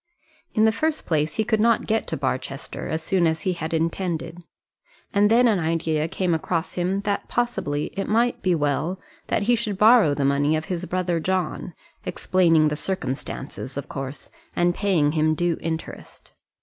In the first place he could not get to Barchester as soon as he had intended, and then an idea came across him that possibly it might be well that he should borrow the money of his brother John, explaining the circumstances, of course, and paying him due interest.